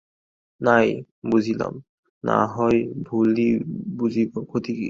না-ই বুঝিলাম, নাহয় ভুলই বুঝিব, ক্ষতি কী।